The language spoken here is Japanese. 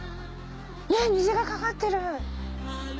ねっ虹がかかってる！